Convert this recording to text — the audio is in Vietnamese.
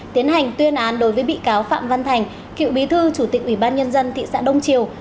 tiến hành tuyên án đối với bị cáo phạm văn thành cựu bí thư chủ tịch ủy ban nhân dân thị xã đông triều